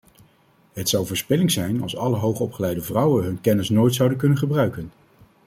Het zou verspilling zijn als alle hoogopgeleide vrouwen hun kennis nooit zouden kunnen gebruiken.